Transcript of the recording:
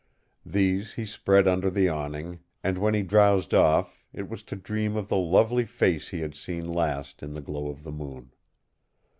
These he spread under the awning, and when he drowsed off, it was to dream of the lovely face he had seen last in the glow of the moon.